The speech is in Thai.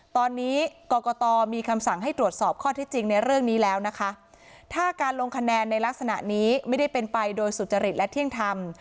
ตอนนี้กรกตมีคำสั่งให้ตรวจสอบข้อที่จริงในเรื่องนี้แล้วนะคะถ้าการลงคะแนนในลักษณะนี้ไม่ได้เป็นไปโดยสุจริตและเที่ยงธรรม